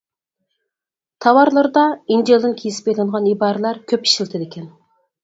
تاۋارلىرىدا ئىنجىلدىن كېسىپ ئېلىنغان ئىبارىلەر كۆپ ئىشلىتىدىكەن.